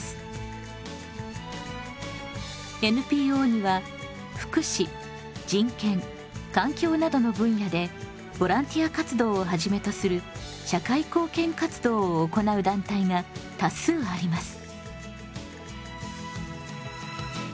ＮＰＯには福祉人権環境などの分野でボランティア活動をはじめとする社会貢献活動を行う団体が多数あります。